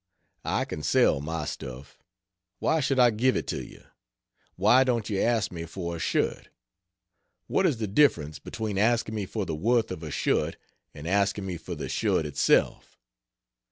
I can sell my stuff; why should I give it to you? Why don't you ask me for a shirt? What is the difference between asking me for the worth of a shirt and asking me for the shirt itself?